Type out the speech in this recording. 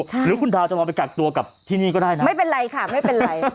หรือคุณดาวจะรอไปกักตัวกับที่นี่ก็ได้นะไม่เป็นไรค่ะไม่เป็นไร